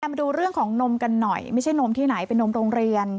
มาดูเรื่องของนมกันหน่อยไม่ใช่นมที่ไหนเป็นนมโรงเรียน